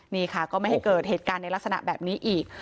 นี่ค่ะก็ไม่ให้เกิดเหตุการณ์ในลักษณะแบบนี้อีก